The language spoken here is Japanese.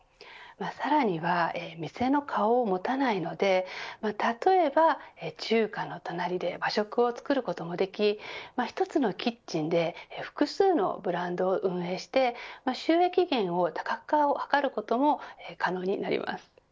さらには店の顔を持たないので例えば中華の隣で和食を作ることもでき一つのキッチンで複数のブランドを運営して収益源の多角化を図ることも可能になります。